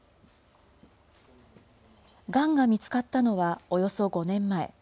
がんが見つかったのはおよそ５年前。